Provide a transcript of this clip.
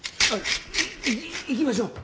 い行きましょう。